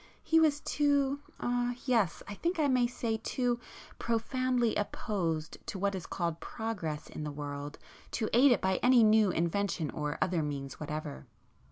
He was too,—er—yes, I think I may say too profoundly opposed to what is called 'progress' in the world [p 49] to aid it by any new invention or other means whatever.